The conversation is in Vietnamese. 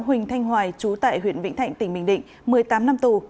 huỳnh thanh hoài chú tại huyện vĩnh thạnh tỉnh bình định một mươi tám năm tù